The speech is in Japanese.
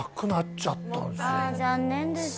残念ですね